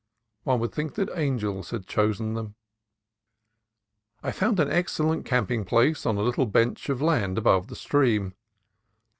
One would think that an gels had chosen them. I found an excellent camping place on a little bench of land above the stream.